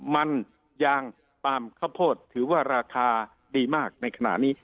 มันยางปาล์มข้าวโพดถือว่าราคาดีมากในขณะนี้